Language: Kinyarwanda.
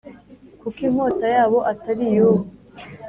Kuko inkota yabo Atari iyubu